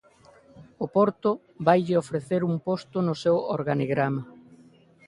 O Porto vaille ofrecer un posto no seu organigrama.